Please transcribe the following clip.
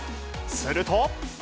すると。